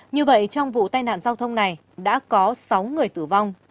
như vậy trong vụ tai nạn giao thông này đã có sáu người tử vong